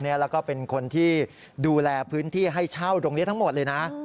แล้วก็เป็นคนที่ดูแลพื้นที่ให้เช่าตรงนี้ทั้งหมดเลยนะ